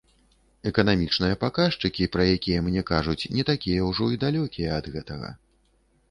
Эканамічныя паказчыкі, пра якія мне кажуць, не такія ўжо і далёкія ад гэтага.